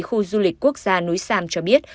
khu du lịch quốc gia núi sam cho biết